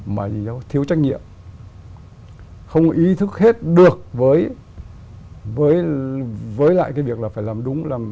mà thiếu trách nhiệm không ý thức hết được với lại cái việc là phải làm đúng